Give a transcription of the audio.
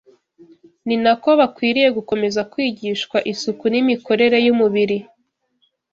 ni na ko bakwiriye gukomeza kwigishwa isuku n’imikorere y’umubiri